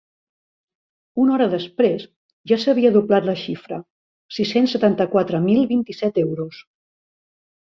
Una hora després, ja s’havia doblat la xifra: sis-cents setanta-quatre mil vint-i-set euros.